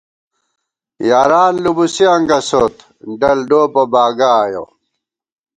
یاران لُبُوسی انگَسوت ، ڈل ڈوپہ باگہ آیَہ